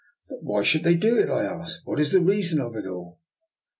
"But why should they do it?" I asked. " What is the reason of it all?